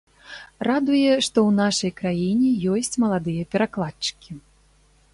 Радуе, што ў нашай краіне ёсць маладыя перакладчыкі.